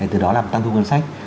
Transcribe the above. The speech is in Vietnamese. từ đó làm tăng thu ngân sách